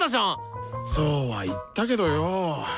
そうは言ったけどよ。